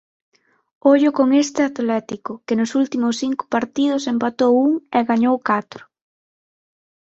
Ollo con este Atlético que nos últimos cinco partidos empatou un e gañou catro.